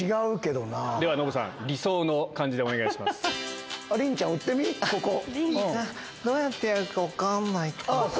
どうやってやるか分かんないかも。